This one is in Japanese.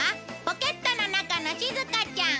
「ポケットの中のしずかちゃん」